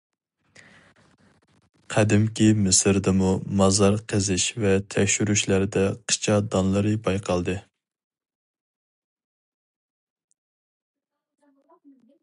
قەدىمكى مىسىردىمۇ مازار قېزىش ۋە تەكشۈرۈشلەردە قىچا دانلىرى بايقالدى.